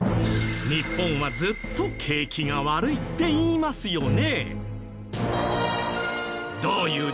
日本はずっと景気が悪いって言いますよね。